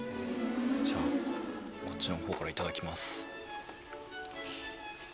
じゃあこっちの方からいただきます。